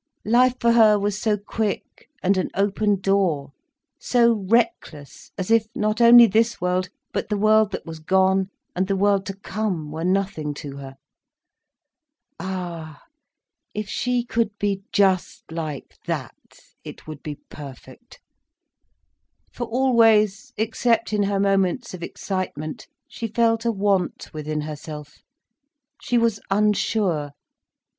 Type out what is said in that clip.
Life for her was so quick, and an open door—so reckless as if not only this world, but the world that was gone and the world to come were nothing to her. Ah, if she could be just like that, it would be perfect. For always, except in her moments of excitement, she felt a want within herself. She was unsure.